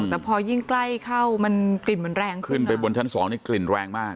แต่พอยิ่งใกล้เข้ามันกลิ่นมันแรงขึ้นขึ้นไปบนชั้นสองนี่กลิ่นแรงมาก